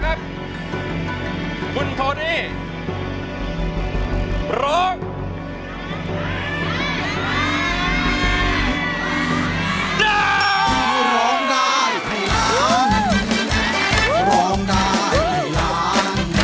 เล็กที่๓มูลค่า๑๐๐๐๐บาทนะครับ